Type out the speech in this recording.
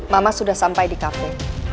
mama sudah sampai di kafe